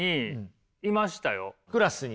クラスに？